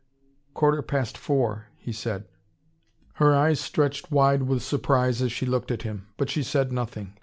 "Quarter past four," he said. Her eyes stretched wide with surprise as she looked at him. But she said nothing.